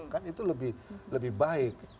kan itu lebih baik